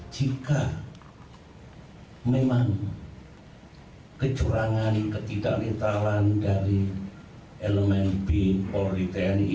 jika memang kecurangan ketidakintalan dari elemen b polri tni